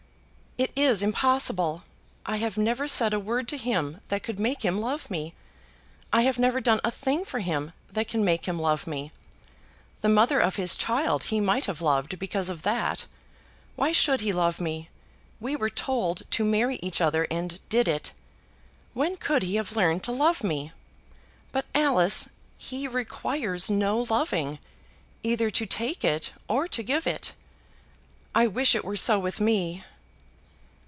"It is impossible. I have never said a word to him that could make him love me. I have never done a thing for him that can make him love me. The mother of his child he might have loved, because of that. Why should he love me? We were told to marry each other and did it. When could he have learned to love me? But, Alice, he requires no loving, either to take it or to give it. I wish it were so with me."